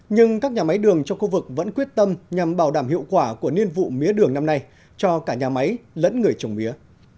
nhưng các nhà máy đường trong khu vực vẫn quyết tâm nhằm bảo đảm hiệu quả của niên vụ mía đường năm nay cho cả nhà máy lẫn người trồng mía